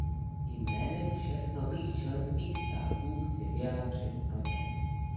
Jménem všech nových členských států chci vyjádřit protest.